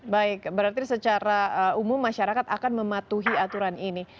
baik berarti secara umum masyarakat akan mematuhi aturan ini